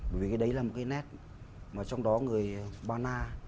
bởi vì cái đấy là một cái nét mà trong đó người ba na